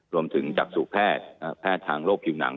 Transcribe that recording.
รวมถึงจากสู่แพทย์อ่าแพทย์ทางโรคผิวหนัง